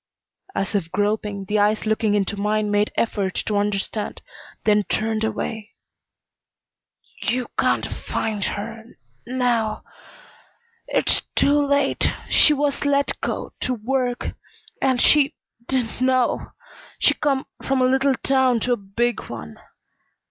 As if groping, the eyes looking into mine made effort to understand, then turned away. "You can't find her now. It's too late. She was let go to work and she didn't know. She come from a little town to a big one.